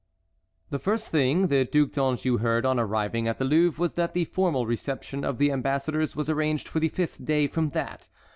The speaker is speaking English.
The first thing the Duc d'Anjou heard on arriving at the Louvre was that the formal reception of the ambassadors was arranged for the fifth day from that.